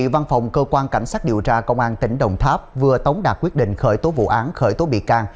văn phòng cơ quan cảnh sát điều tra công an tỉnh đồng tháp vừa tống đạt quyết định khởi tố vụ án khởi tố bị can